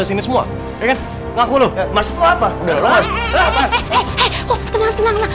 sini semua ngaku lu mas apa udah